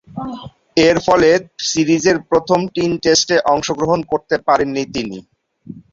এরফলে সিরিজের প্রথম তিন টেস্টে অংশগ্রহণ করতে পারেননি তিনি।